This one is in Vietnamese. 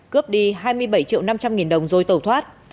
cướp đi hai mươi bảy triệu năm trăm linh nghìn đồng rồi tẩu thoát